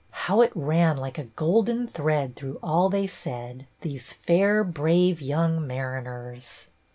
How it ran like a golden thread through all they said, these fair, brave young mariners